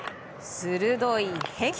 鋭い変化球。